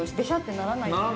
◆ならないね。